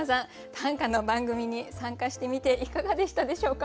短歌の番組に参加してみていかがでしたでしょうか？